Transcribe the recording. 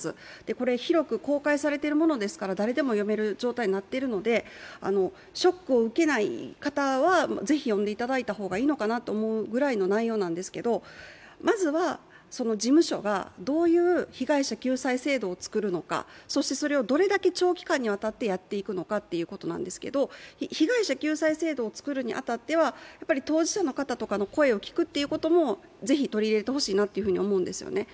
これは広く公開されているものですから、誰でも読める状態になっているのでショックを受けない方はぜひ読んでいただいた方がいいと思うぐらいな内容なんですけど、まずは、事務所がどういう被害者救済制度を作るのか、そして、それをどれだけ長期間にわたってやっていくのかということなんですけど、被害者救済制度を作るに当たっては当事者の声を聞くということもぜひ取り入れてほしいなというふうに思うんですよね。